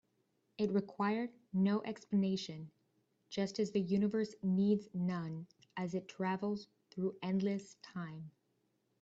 It required no explanation, just as the universe needs none as it travels through endless time.